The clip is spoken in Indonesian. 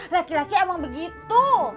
laki laki emang begitu